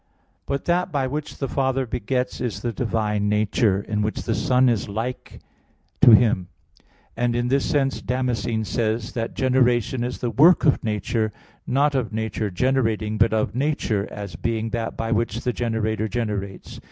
But that by which the Father begets is the divine nature, in which the Son is like to Him. And in this sense Damascene says (De Fide Orth. i, 18) that generation is the "work of nature," not of nature generating, but of nature, as being that by which the generator generates.